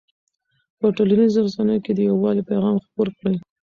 په ټولنیزو رسنیو کې د یووالي پیغام خپور کړئ.